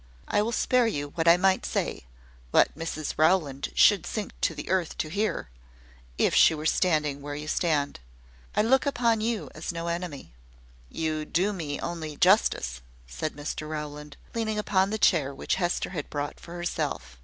I will spare you what I might say what Mrs Rowland should sink to the earth to hear, if she were standing where you stand. I look upon you as no enemy " "You do me only justice," said Mr Rowland, leaning upon the chair which Hester had brought for herself.